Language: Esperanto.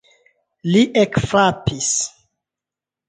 Li ekfrapis.